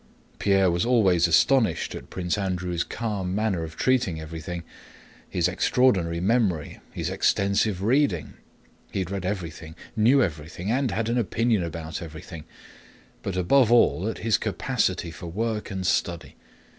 Pierre was always astonished at Prince Andrew's calm manner of treating everybody, his extraordinary memory, his extensive reading (he had read everything, knew everything, and had an opinion about everything), but above all at his capacity for work and study.